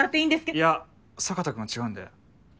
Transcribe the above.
いや坂田君は違うんで。